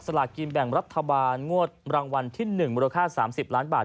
ลากินแบ่งรัฐบาลงวดรางวัลที่๑มูลค่า๓๐ล้านบาท